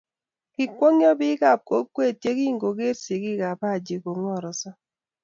Kikwongyo biik ab kokwee ye king koger sikiik ab Haji ko kingaronyo